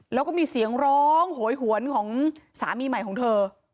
แล้วก็มีเสียงร้องโหยหวนของสามีใหม่ของเธอ